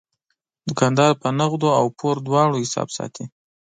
دوکاندار په نغدو او پور دواړو حساب ساتي.